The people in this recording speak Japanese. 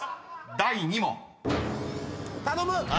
第２問］頼む！